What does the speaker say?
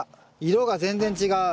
色が全然違う。